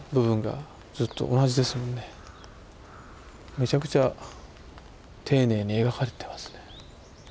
めちゃくちゃ丁寧に描かれてますね。